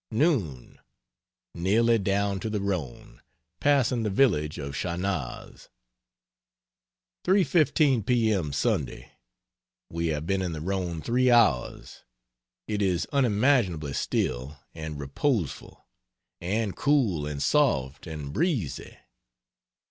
Noon. Nearly down to the Rhone. Passing the village of Chanaz. 3.15 p. m. Sunday. We have been in the Rhone 3 hours. It is unimaginably still and reposeful and cool and soft and breezy.